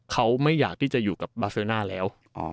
เขาไม่อยากที่จะอยู่กับบาเซอร์น่าแล้ว